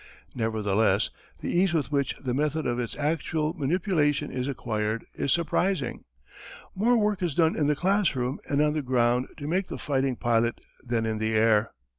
Nevertheless the ease with which the method of its actual manipulation is acquired is surprising. More work is done in the classroom and on the ground to make the fighting pilot than in the air.